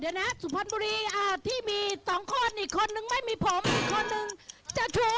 เดี๋ยวนะสุพรรณบุรีที่มีสองคนอีกคนนึงไม่มีผมอีกคนนึงจะชู